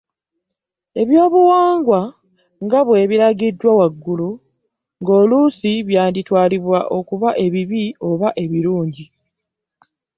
Ebyobuwangwa nga bwe biragiddwa waggulu, ng’oluusi byanditwalibwa okuba ebibi oba ebirungi.